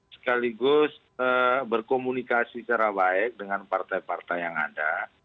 sekaligus berkomunikasi secara baik dengan partai partai yang ada